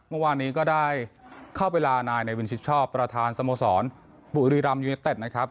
เมื่อวานนี้ก็ได้เข้าไปลานายในวินชิดชอบประธานสโมสรบุรีรำยูเนเต็ดนะครับ